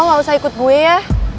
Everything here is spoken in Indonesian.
ghi lu gak usah ikut gue ya